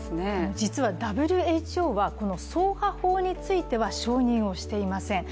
実はＷＨＯは、そうは法については承認をしていません。